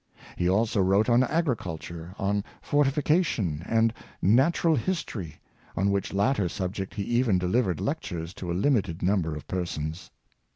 He also wrote on agriculture, on fortification, and natural history, on which latter subject he even delivered lectures to a limited number of persons.